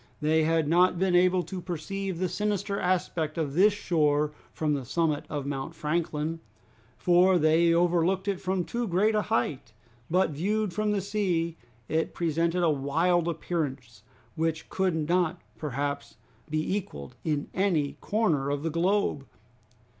They had not been able to perceive the sinister aspect of this shore from the summit of Mount Franklin, for they overlooked it from too great a height, but viewed from the sea it presented a wild appearance which could not perhaps be equaled in any corner of the globe.